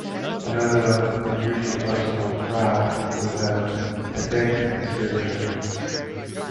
Another unusual custom of Brag is that the deck is rarely shuffled.